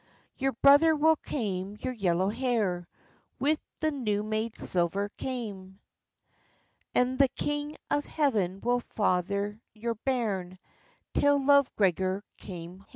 "Your brother will kaim your yellow hair, Wi' the new made silver kaim; And the king of heaven will father your bairn, Till Love Gregor come haim."